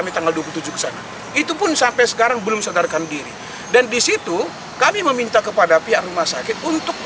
itu pun sampai sekarang belum sadarkan diri dan disitu kami meminta kepada pihak rumah sakit untuk